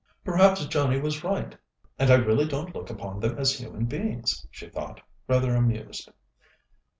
"Perhaps Johnnie was right, and I really don't look upon them as human beings," she thought, rather amused.